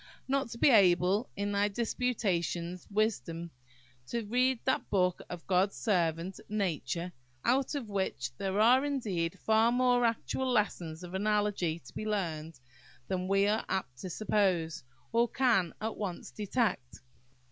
not to be able, in thy disputatious wisdom, to read that book of "God's servant, Nature," out of which there are indeed far more actual lessons of analogy to be learned than we are apt to suppose, or can at once detect.